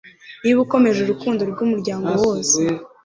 Niba ukomeje urukundo rwumuryango wose